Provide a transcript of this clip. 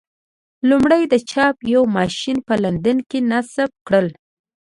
لومړی د چاپ یو ماشین په لندن کې نصب کړل.